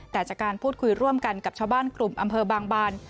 แต่จากการพูดคุยร่วมกันกับชาวบ้านกลุ่มอำเภอบางบาน